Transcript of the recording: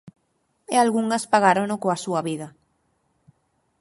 E algunhas pagárono coa súa vida.